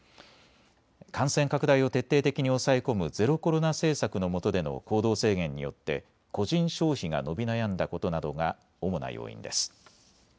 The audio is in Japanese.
感染拡大を徹底的に抑え込むゼロコロナ政策のもとでの行動制限によって個人消費が伸び悩んだことなどが主な要因です。